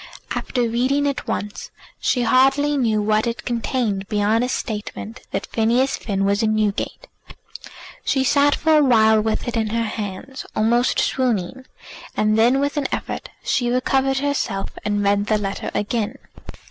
After reading it once she hardly knew what it contained beyond a statement that Phineas Finn was in Newgate. She sat for a while with it in her hands, almost swooning; and then with an effort she recovered herself, and read the letter again.